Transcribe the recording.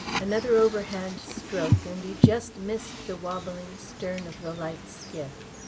Another overhand stroke, and he just missed the wobbling stern of the light skiff.